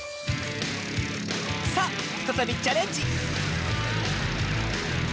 さあふたたびチャレンジ！